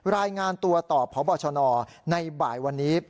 รายงานตัวต่อพบชนในบ่ายวันนี้